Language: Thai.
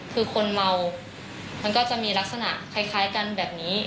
คือคนเมามันก็จะมีลักษณะคล้ายกันแบบนี้